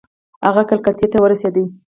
هغه کلکتې ته ورسېدی.